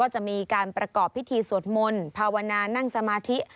จะมีการประกอบพิธีสวดมนต์ภาวนานั่งสมาธิ